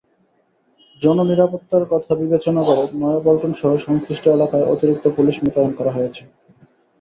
জননিরাপত্তার কথা বিবেচনা করে নয়াপল্টনসহ সংশ্লিষ্ট এলাকায় অতিরিক্ত পুলিশ মোতায়েন করা হয়েছে।